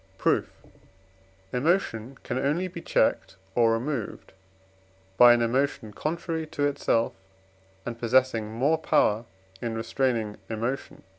Proof. Emotion can only be checked or removed by an emotion contrary to itself, and possessing more power in restraining emotion (IV.